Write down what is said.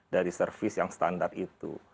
dari service yang standar itu